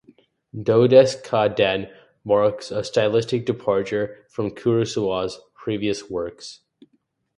"Dodes'ka-den" marks a stylistic departure from Kurosawa's previous works.